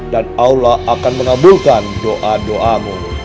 dan allah akan mengabulkan doa doamu